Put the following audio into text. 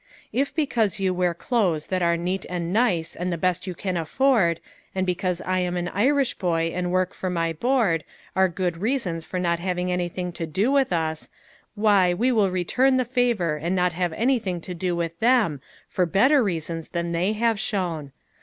If because you wear clothes that are neat and nice and the best you can afford, and because I am an Irish boy and work for my board, are good reasons for not having any thing to do with us, why, we will return the favor and not have anything to do with them, for bet ter reasons than they have shown.